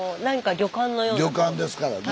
旅館ですからね。